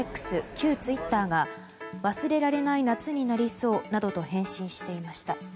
旧ツイッターが「忘れられない夏になりそう」などと返信していました。